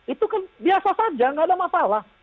itu kan biasa saja nggak ada masalah